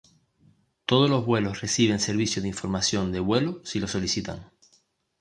Todos los vuelos reciben servicio de información de vuelo si lo solicitan.